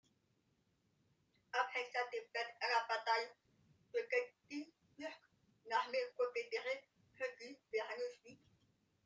Après sa défaite à la bataille de Gettysburg, l'armée confédérée reflue vers le sud.